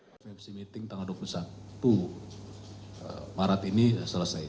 fmfc meeting tanggal dua puluh satu maret ini selesai